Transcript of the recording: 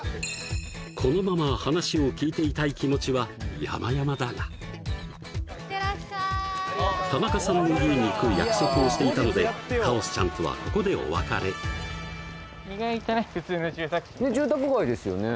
このまま話を聞いていたい気持ちはやまやまだが田中さんの家に行く約束をしていたのでカオスちゃんとはここでお別れ意外と普通の住宅地住宅街ですよね